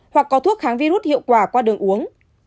hoặc có thuốc kháng virus hiệu quả qua đường uống